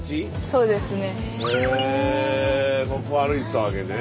そうですね。